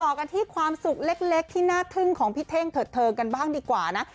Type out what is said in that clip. กันที่ความสุขเล็กที่น่าทึ่งของพี่เท่งเถิดเทิงกันบ้างดีกว่านะ